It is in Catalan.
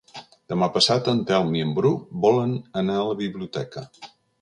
Demà passat en Telm i en Bru volen anar a la biblioteca.